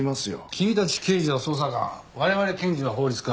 君たち刑事は捜査官我々検事は法律家。